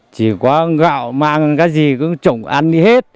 chỉ có gạo mang cái gì cũng trổng ăn đi hết